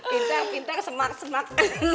pintar pintar semak semak